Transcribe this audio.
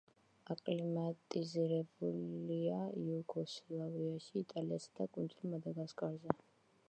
აკლიმატიზებულია იუგოსლავიაში, იტალიასა და კუნძულ მადაგასკარზე.